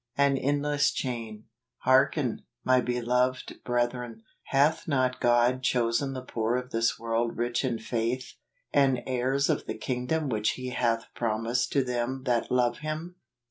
An Endless Chain. " Hearken , my beloved brethren , Hath not God chosen the poor of this icorld rich in faith , and heirs of the kingdom which he hath promised to them that love him